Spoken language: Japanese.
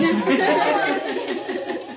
ハハハハ。